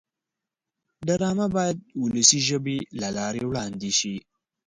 ډرامه باید د ولسي ژبې له لارې وړاندې شي